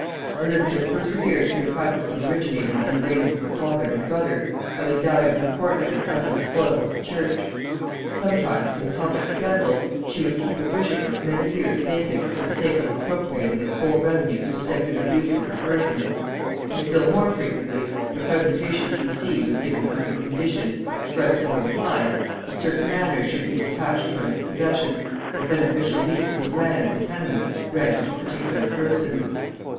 Elizabeth persevered in the practice originating in the reigns of her father and brother, of endowing her courtiers out of the spoils of the church. Sometimes, to the public scandal, she would keep a bishopric many years vacant for the sake of appropriating its whole revenues to secular uses and persons; and still more frequently, the presentation to a see was given under the condition, express or implied, that certain manors should be detached from its possessions, or beneficial leases of lands and tenements granted to particular persons.